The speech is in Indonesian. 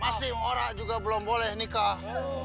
pasti orang juga belum boleh nikah